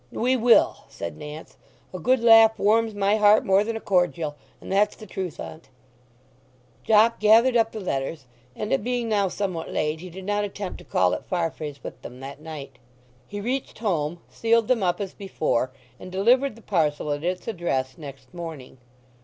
"We will!" said Nance. "A good laugh warms my heart more than a cordial, and that's the truth on't." Jopp gathered up the letters, and it being now somewhat late he did not attempt to call at Farfrae's with them that night. He reached home, sealed them up as before, and delivered the parcel at its address next morning.